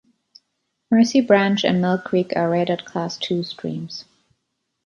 Mercy Branch and Mill Creek are rated class ii streams.